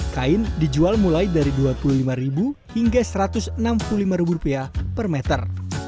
kain dijual mulai dari rp dua puluh lima hingga rp satu ratus enam puluh lima per meter